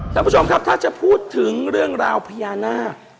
ท่านผู้ชมครับถ้าจะพูดถึงเรื่องราวพญานาค